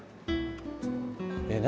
えっ何？